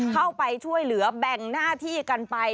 เข้าไปช่วยเหลือแบ่งหน้าที่กันไป